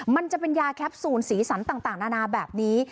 มันจะเป็นยาแคปซูลสีสันต่างนานาแบบนี้